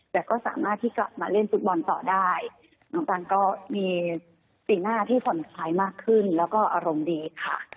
แต่ก็สามารถที่กลับมาเล่นฟุตบอลต่อได้น้องตันก็มีสีหน้าที่ผ่อนคลายมากขึ้นแล้วก็อารมณ์ดีค่ะ